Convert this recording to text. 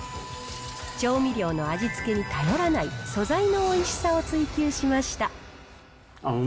調味料の味付けに頼らない素材のおいしさを追求しました。